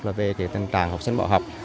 là về tình trạng học sinh bỏ học